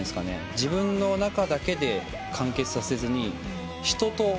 自分の中だけで完結させずに人と。